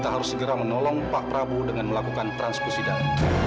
kita harus segera menolong pak prabowo dengan melakukan transkusi dalam